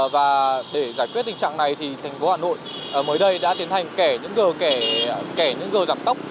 và để giải quyết tình trạng này thì thành phố hà nội mới đây đã tiến hành kẻ những gờ giảm tốc